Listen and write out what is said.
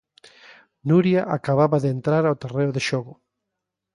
Nuria acababa de entrar ao terreo de xogo.